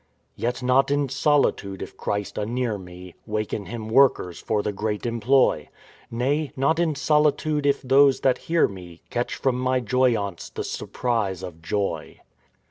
Yet not in solitude if Christ anear me Waken him workers for the great employ, Nay, not in solitude if those that hear me Catch from my joyaunce the surprise of joy."